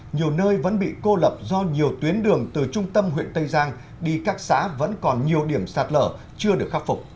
nhiều nơi vẫn bị cô lập do nhiều tuyến đường từ trung tâm huyện tây giang đi các xã vẫn còn nhiều điểm sạt lở chưa được khắc phục